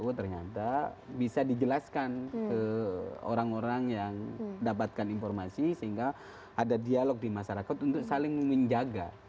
oh ternyata bisa dijelaskan ke orang orang yang dapatkan informasi sehingga ada dialog di masyarakat untuk saling menjaga